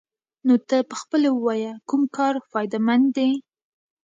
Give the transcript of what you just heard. نو ته پخپله ووايه كوم كار فايده مند دې؟